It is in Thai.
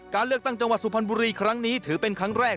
การเลือกตั้งจังหวัดสุพรรณบุรีครั้งนี้ถือเป็นครั้งแรก